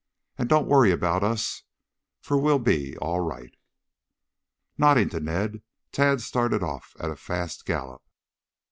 "And don't worry about us, for we'll be all right." Nodding to Ned Tad started off at a fast gallop.